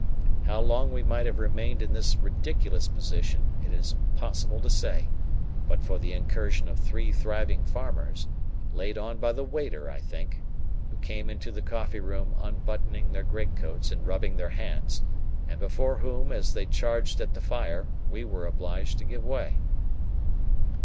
How long we might have remained in this ridiculous position it is impossible to say, but for the incursion of three thriving farmers—laid on by the waiter, I think—who came into the coffee room unbuttoning their great coats and rubbing their hands, and before whom, as they charged at the fire, we were obliged to give way.